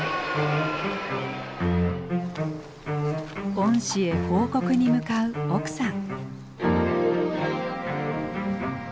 ・恩師へ報告に向かう奥さん。